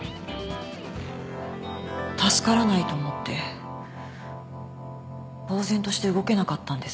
助からないと思ってぼうぜんとして動けなかったんです。